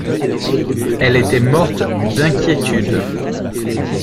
Elle était morte d’inquiétude.